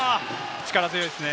力強いですね。